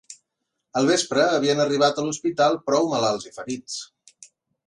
Al vespre, havien arribat a l'hospital prou malalts i ferits